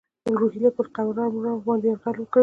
روهیله به پر قلمرو باندي یرغل وکړي.